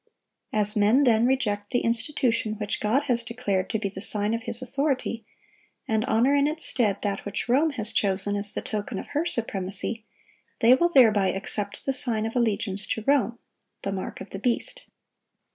As men then reject the institution which God has declared to be the sign of His authority, and honor in its stead that which Rome has chosen as the token of her supremacy, they will thereby accept the sign of allegiance to Rome—"the mark of the beast."